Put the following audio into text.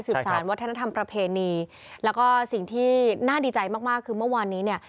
สารวัฒนธรรมประเพณีแล้วก็สิ่งที่น่าดีใจมากมากคือเมื่อวานนี้เนี่ย